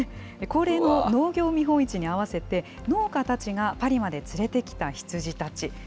恒例の農業見本市に合わせて農家たちがパリまで連れてきた羊たち。